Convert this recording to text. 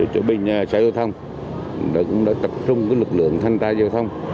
chủ binh xe giao thông đã tập trung với lực lượng thanh tài giao thông